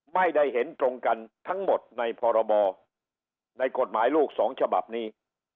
ไม่ได้เห็นตรงกันทั้งหมดในพรบในกฎหมายลูกสองฉบับนี้